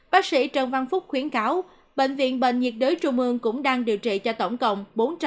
bác sĩ trần văn phúc khuyến cáo bệnh viện bệnh nhiệt đới trung ương cũng đang điều trị cho tổng cộng